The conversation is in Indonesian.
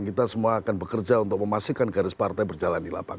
kita semua akan bekerja untuk memastikan garis partai berjalan di lapangan